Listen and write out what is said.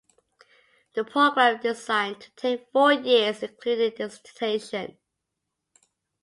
The program is designed to take four years including dissertation.